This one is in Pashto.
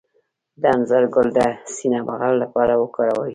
د انځر ګل د سینه بغل لپاره وکاروئ